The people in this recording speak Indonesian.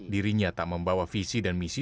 dirinya tak membawa visi dan misi